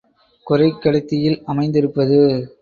குறைக் கடத்தியில் அமைந்திருப்பது.